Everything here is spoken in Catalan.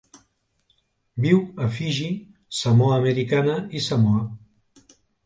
Viu a Fiji, Samoa Americana i Samoa.